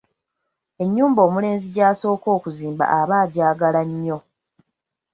Ennyumba omulenzi gy’asooka okuzimba aba ajaagala nnyo.